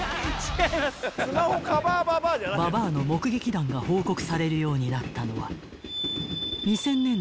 ［ババアの目撃談が報告されるようになったのは］